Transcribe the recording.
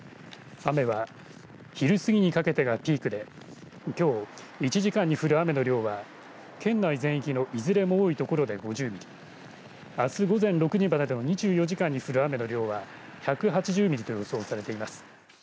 雨は昼すぎにかけてがピークできょう１時間に降る雨の量は県内全域のいずれも多い所で５０ミリあす午前６時までの２４時間に降る雨の量は１８０ミリと予想されています。